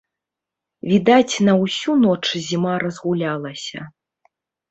Відаць, на ўсю ноч зіма разгулялася.